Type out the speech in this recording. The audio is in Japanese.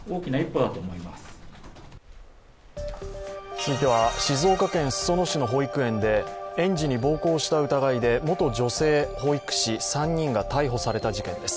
続いては静岡県裾野市の保育園で園児に暴行した疑いで元女性保育士３人が逮捕された事件です。